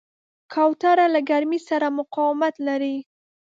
کوتره له ګرمۍ سره مقاومت لري.